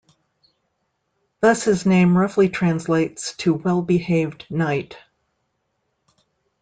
Thus his name roughly translates to well behaved knight.